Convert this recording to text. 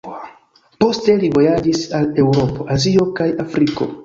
Poste li vojaĝis al Eŭropo, Azio kaj Afriko.